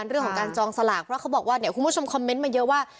เรื่องของการจองสลากเพราะเขาบอกว่าเนี่ยคุณผู้ชมคอมเมนต์มาเยอะว่า